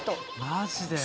マジで？